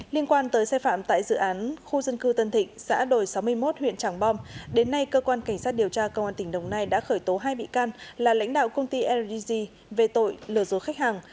liên quan tới sai phạm tại dự án khu dân cư tân thịnh xã đồi sáu mươi một huyện tràng bom đến nay cơ quan cảnh sát điều tra công an tỉnh đồng nai đã khởi tố hai bị can là lãnh đạo công ty ldg về tội lừa dối khách hàng